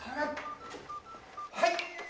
はい！